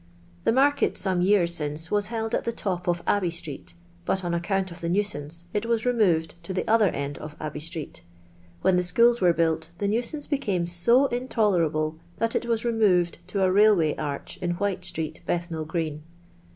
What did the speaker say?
The market, •ome years since, was held at the top of Abbey street; but, on account of the nuisance, it was removed to the other end of Abbey street. When the schools were built, the nuisance became so intolerable that it was removed to a railway arch in White street, Bethnal green.